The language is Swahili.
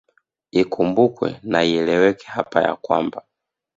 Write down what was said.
Ikumbukwe na ieleweke hapa ya kwamba